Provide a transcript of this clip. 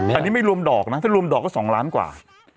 อันนี้ไม่รวมดอกนะถ้ารวมดอกก็๒ล้านกว่า